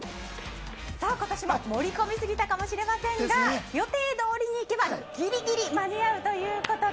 今年も盛り込みすぎたかもしれませんが予定どおりに行けばぎりぎり間に合うということで。